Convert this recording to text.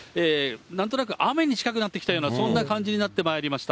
なんとなく雨に近くなってきたような、そんな感じになってまいりました。